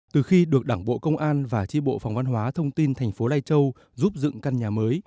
từ khi được đảng bộ công an và tri bộ phòng văn hóa thông tin thành phố lai châu giúp dựng căn nhà mới